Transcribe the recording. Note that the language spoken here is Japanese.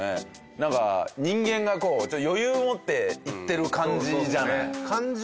なんか人間がこう余裕を持っていってる感じじゃない。